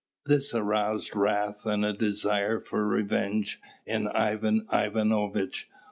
This aroused wrath and a desire for revenge in Ivan Ivanovitch.